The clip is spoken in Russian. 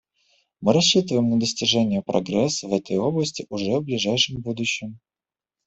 Мы рассчитываем на достижение прогресса в этой области уже в ближайшем будущем.